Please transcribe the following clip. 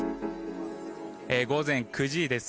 午前９時です。